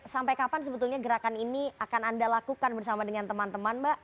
sampai kapan sebetulnya gerakan ini akan anda lakukan bersama dengan teman teman mbak